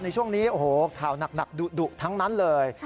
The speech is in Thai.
ในช่วงนี้โอ้โหข่าวหนักดุทั้งนั้นเลย